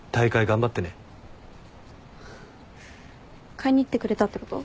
買いに行ってくれたってこと？